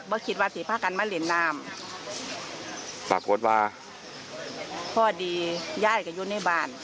เมื่อขิดว่าถิภาพกันมาเหล่อหน้ามันปราโพดว่าพ่อดีย่ายก็อยู่ในบ่าน